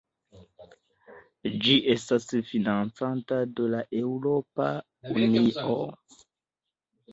Ĝi estas financata de la Eŭropa Unio.